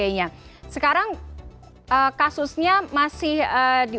itu tidak hanya di